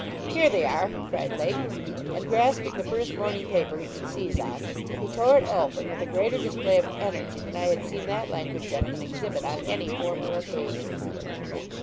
'Here they are!' cried Lake, and grasping the first morning paper he could seize on, he tore it open with a greater display of energy than I had seen that languid gentleman exhibit on any former occasion.